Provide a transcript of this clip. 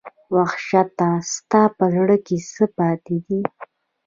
وحشته ستا په زړه کې څـه پاتې دي